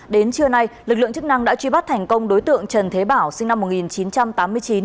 đến trưa nay lực lượng chức năng đã truy bắt thành công đối tượng trần thế bảo sinh năm một nghìn chín trăm tám mươi chín